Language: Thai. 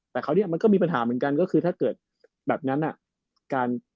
แต่เขาเนี่ยมันก็มีปัญหามันกันก็คือถ้าเกิดแบบนั้นอ่ะ